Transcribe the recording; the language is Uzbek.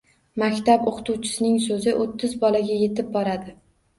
Maktab o’qituvchisining So’zi o’ttiz bolaga yetib boradi.